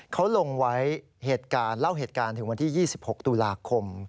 เขาลงไว้เหตุการณ์เล่าเหตุการณ์ถึงวันที่๒๖ตุลาคม